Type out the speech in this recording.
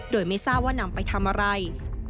โดยไม่ทราบว่านำไปทำอะไร